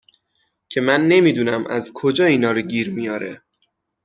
که من نمی دونم از کجا اینا رو گیر میاره